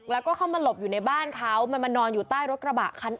แล้วก็เข้ามาหลบอยู่ในบ้านเขามันมานอนอยู่ใต้รถกระบะคัน